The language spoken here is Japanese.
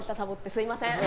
すみません。